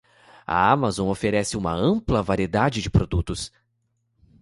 A Amazon oferece uma ampla variedade de produtos.